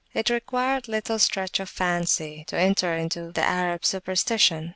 It required little stretch of fancy to enter into the Arabs superstition.